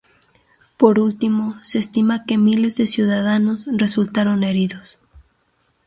Por último se estima que miles de ciudadanos resultaron heridos.